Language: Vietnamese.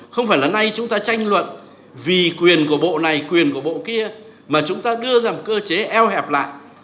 không phải là nay chúng ta tranh luận vì quyền của bộ này quyền của bộ kia mà chúng ta đưa ra một cơ chế eo hẹp lại